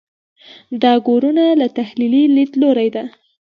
دا ګورنه له تحلیلي لیدلوري ده.